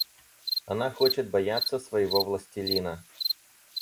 Она хочет бояться своего властелина.